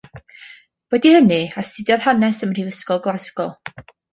Wedi hynny astudiodd Hanes ym Mhrifysgol Glasgow.